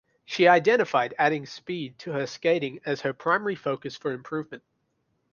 She identified adding speed to her skating as her primary focus for improvement.